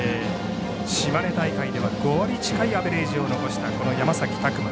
島根大会では５割近いアベレージを残した山崎琢磨。